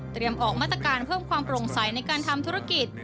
ออกมาตรการเพิ่มความโปร่งใสในการทำธุรกิจ